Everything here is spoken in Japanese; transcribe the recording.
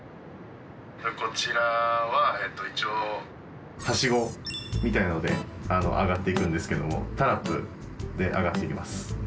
こちらは一応はしごみたいので上がっていくんですけどもタラップで上がっていきます。